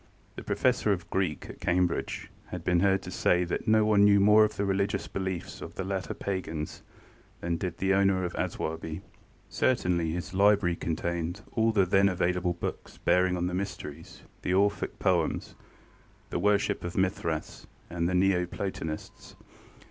The Professor of Greek at Cambridge had been heard to say that no one knew more of the religious beliefs of the later pagans than did the owner of Aswarby. Certainly his library contained all the then available books bearing on the Mysteries, the Orphic poems, the worship of Mithras, and the Neo Platonists.